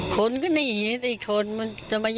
คนก็หนีติคนมาอยู่ก็รีบหนีไปเลย